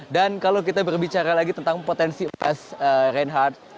dan kalau kita berbicara lagi tentang potensi emas reinhardt